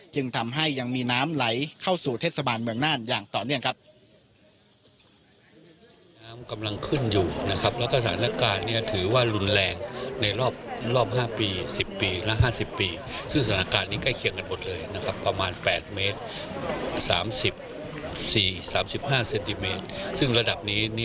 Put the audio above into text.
จึงทำให้ยังมีน้ำไหลเข้าสู่เทศบาลเมืองน่านอย่างต่อเนื่องครับ